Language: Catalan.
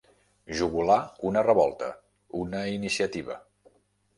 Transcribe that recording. Jugular una revolta, una iniciativa.